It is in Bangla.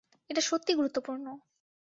এটা সত্যিই গুরুত্বপূর্ণ।